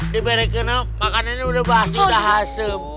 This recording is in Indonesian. diberi kena makanannya udah basi udah hasem